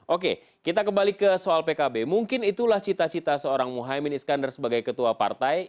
oke kita kembali ke soal pkb mungkin itulah cita cita seorang muhaymin iskandar sebagai ketua partai